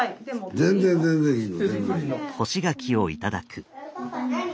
全然全然いいの。